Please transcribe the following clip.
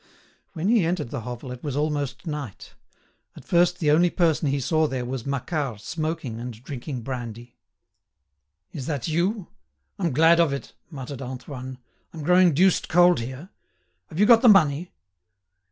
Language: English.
When he entered the hovel it was almost night. At first the only person he saw there was Macquart smoking and drinking brandy. "Is that you? I'm glad of it," muttered Antoine. "I'm growing deuced cold here. Have you got the money?"